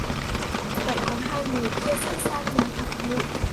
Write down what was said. Vậy còn hai người kia sẽ sang nhà thằng Hội